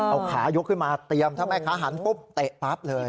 เอาขายกขึ้นมาเตรียมถ้าแม่ค้าหันปุ๊บเตะปั๊บเลย